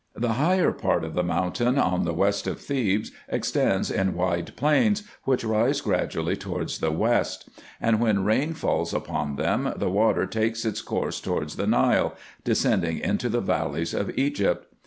The higher part of the mountain on the west of Thebes extends in wide plains, which rise gradually towards the west ; and when rain falls upon them, the water takes its course towards the Nile, descending into the valleys of Egypt.